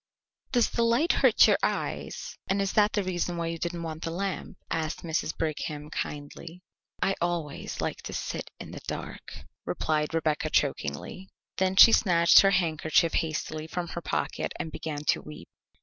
"Does the light hurt your eyes, and is that the reason why you didn't want the lamp?" asked Mrs. Brigham kindly. "I always like to sit in the dark," replied Rebecca chokingly. Then she snatched her handkerchief hastily from her pocket and began to weep.